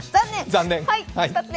残念。